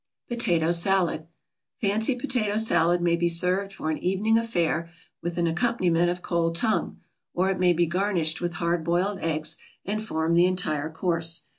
POTATO SALAD Fancy potato salad may be served for an evening affair with an accompaniment of cold tongue, or it may be garnished with hard boiled eggs and form the entire course.